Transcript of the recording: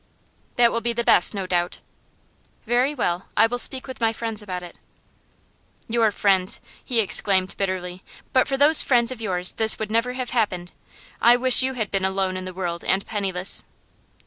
'That will be the best, no doubt.' 'Very well; I will speak with my friends about it.' 'Your friends!' he exclaimed bitterly. 'But for those friends of yours, this would never have happened. I wish you had been alone in the world and penniless.